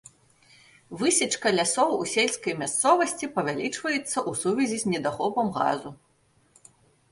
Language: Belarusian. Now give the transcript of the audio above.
Высечка лясоў у сельскай мясцовасці павялічваецца ў сувязі з недахопам газу.